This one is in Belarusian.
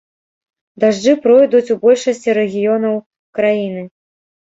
Дажджы пройдуць у большасці рэгіёнаў краіны.